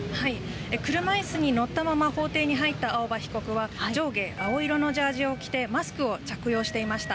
車いすに乗ったまま法廷に入った青葉被告は上下青色のジャージを着てマスクを着用していました。